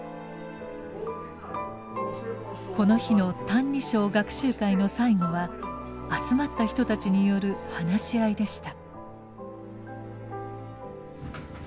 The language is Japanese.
この日の「歎異抄」学習会の最後は集まった人たちによる話し合いでした。